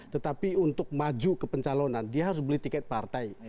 tetapi untuk maju ke pencalonan dia harus beli tiket partai